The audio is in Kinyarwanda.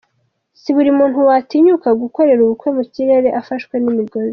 Si buri muntu watinyuka gukorera ubukwe mu kirere afashwe n'imigozi!.